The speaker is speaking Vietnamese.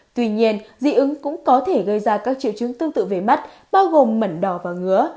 tuy nhiên dị ứng cũng có thể gây ra các triệu chứng tương tự về mắt bao gồm mẩn đỏ và ngứa